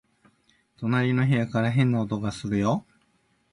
隣の部屋から変な音がするよ